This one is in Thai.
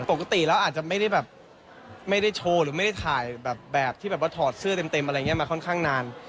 ปกติแล้วอาจจะไม่ได้แบบไม่ได้โชว์หรือไม่ได้ถ่ายแบบที่แบบว่าถอดเสื้อเต็มอะไรอย่างนี้มาค่อนข้างนาน